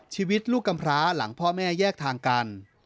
ชีวิตลูกกำพร้าหลังพ่อแม่แยกทางกัน